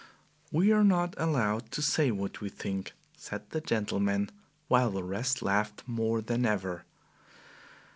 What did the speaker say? "We are not allowed to say what we think," said the gentleman, while the rest laughed more than ever.